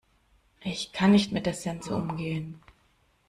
Ich kann nicht mit der Sense umgehen.